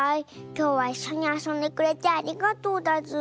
きょうはいっしょにあそんでくれてありがとうだズー。